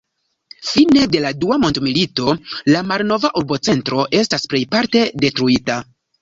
Fine de la Dua Mondmilito la malnova urbocentro estas plejparte detruita.